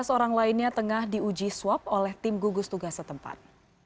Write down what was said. tiga belas orang lainnya tengah diuji swab oleh tim gugus tugas setempat